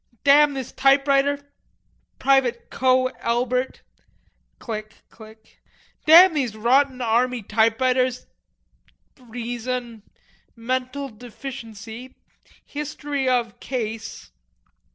"Damn this typewriter.... Private Coe Elbert"... click, click. "Damn these rotten army typewriters.... Reason... mental deficiency. History of Case...."